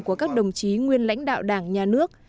của các đồng chí nguyên lãnh đạo đảng nhà nước